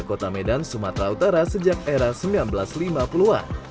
kota medan sumatera utara sejak era seribu sembilan ratus lima puluh an